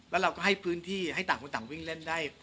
แล้วเราก็ให้พื้นที่ให้ต่างคนต่างวิ่งเล่นได้